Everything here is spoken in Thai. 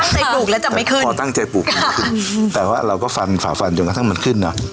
ตั้งใจปลูกแล้วจะไม่ขึ้นอ๋อตั้งใจปลูกไม่ขึ้นแต่ว่าเราก็ฝ่าฟันจนกระทั่งมันขึ้นนะ